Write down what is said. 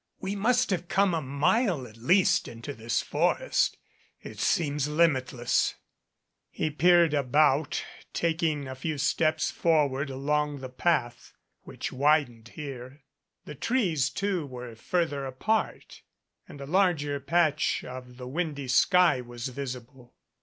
We must have come a mile at least into this forest. It seems limitless." He peered about, taking a few steps forward along the path, which widened here. The trees, too, were further apart, and a larger patch of the windy sky was visible.